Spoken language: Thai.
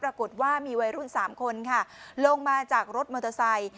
ปรากฏว่ามีวัยรุ่น๓คนค่ะลงมาจากรถมอเตอร์ไซค์